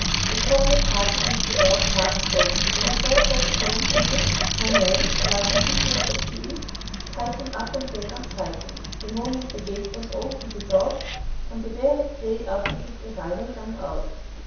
The cobbler parted with the dog heartbroken. When the dog got home here, my man, like an idiot as he is, tied him up and then untied him. The moment the gate was open, the dog (on the very day after his arrival) ran out.